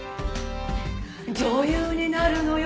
「女優になるのよ